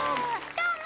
どうも！